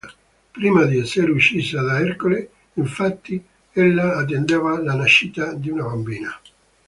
Prima di essere uccisa da Ercole, infatti, ella attendeva la nascita di una bambina.